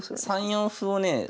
３四歩をね。